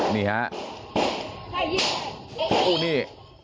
นี่ฮะโอ้นี่